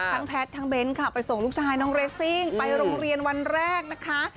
แพทย์ทั้งเบ้นค่ะไปส่งลูกชายน้องเรซิ่งไปโรงเรียนวันแรกนะคะ